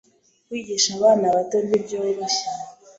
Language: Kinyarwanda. Kwigisha abana bato ntibyoroshye.